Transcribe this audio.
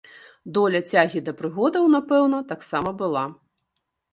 Доля цягі да прыгодаў, напэўна, таксама была.